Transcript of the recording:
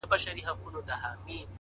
د باران وروسته کوڅه تل نوې ښکاري؛